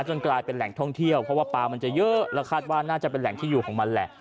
กลายเป็นแหล่งท่องเที่ยวเพราะว่าปลามันจะเยอะแล้วคาดว่าน่าจะเป็นแหล่งที่อยู่ของมันแหละ